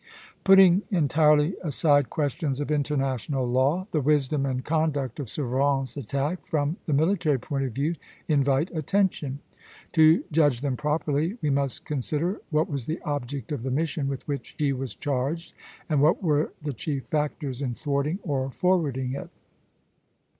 Putting entirely aside questions of international law, the wisdom and conduct of Suffren's attack, from the military point of view, invite attention. To judge them properly, we must consider what was the object of the mission with which he was charged, and what were the chief factors in thwarting or forwarding it.